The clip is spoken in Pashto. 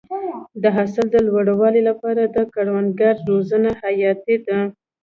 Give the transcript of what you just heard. د حاصل د لوړوالي لپاره د کروندګرو روزنه حیاتي ده.